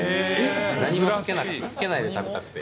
何もつけないで食べたくて。